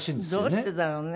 どうしてだろうね。